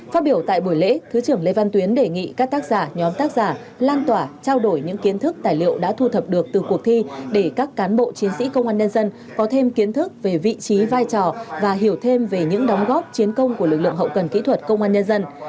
phát biểu tại buổi lễ thứ trưởng lê văn tuyến đề nghị các tác giả nhóm tác giả lan tỏa trao đổi những kiến thức tài liệu đã thu thập được từ cuộc thi để các cán bộ chiến sĩ công an nhân dân có thêm kiến thức về vị trí vai trò và hiểu thêm về những đóng góp chiến công của lực lượng hậu cần kỹ thuật công an nhân dân